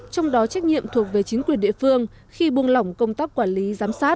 trong đó trách nhiệm thuộc về chính quyền địa phương khi buông lỏng công tác quản lý giám sát